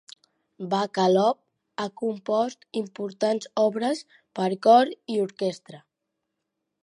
Bacalov ha compost importants obres per cor i orquestra.